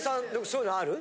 そういうのある？